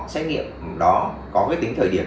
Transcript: xét nghiệm đó có cái tính thời điểm